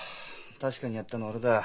確かにやったのは俺だよ。